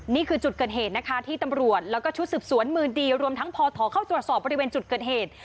นี่คือจุดเกิดเหตุนะคะที่ตำรวจแล้วก็ชุดสืบสวนมือดีรวมทั้งพอถอเข้าตรวจสอบบริเวณจุดเกิดเหตุ